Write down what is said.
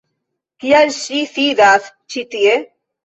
Kial ŝi sidas ĉi tie?